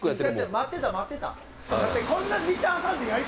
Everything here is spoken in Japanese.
待ってた待ってた。